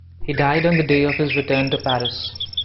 He died on the day of his return to Paris.